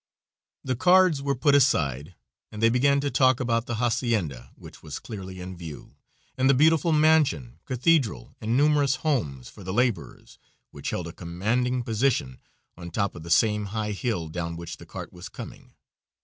The cards were put aside, and they began to talk about the hacienda, which was clearly in view, and the beautiful mansion, cathedral, and numerous homes for the laborers, which held a commanding position on top of the same high hill down which the cart was coming.